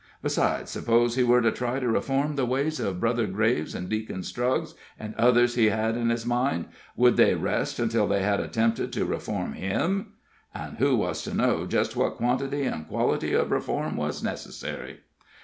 Besides, suppose he were to try to reform the ways of Brother Graves and Deacon Struggs and others he had in his mind would they rest until they had attempted to reform him? And who was to know just what quantity and quality of reform was necessary?